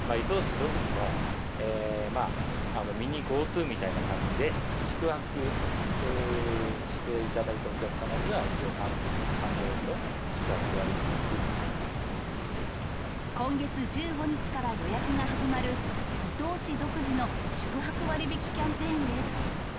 独自のミニＧｏＴｏみたいな感じで、宿泊していただいたお客様には一応、今月１５日から予約が始まる、伊東市独自の宿泊割引キャンペーンです。